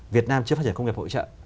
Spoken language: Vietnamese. việt nam chưa phát triển công nghiệp hỗ trợ